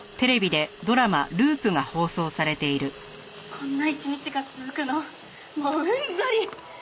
「こんな一日が続くのもううんざり！」